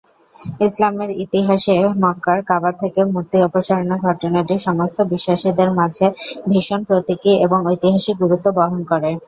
ইসলামের ইতিহাস-এ মক্কা-র কাবা থেকে মূর্তি অপসারণের ঘটনাটি সমস্ত বিশ্বাসীদের মাঝে ভীষণ প্রতীকী এবং ঐতিহাসিক গুরুত্ব বহন করে।